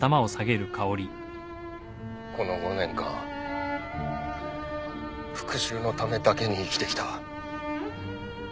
この５年間復讐のためだけに生きてきた。